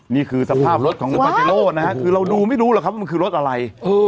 นี่คือสภาพรถของปาเจโร่นะฮะคือเราดูไม่รู้หรอกครับว่ามันคือรถอะไร